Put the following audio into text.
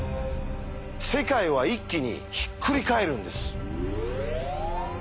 世界は一気にひっくり返るんです。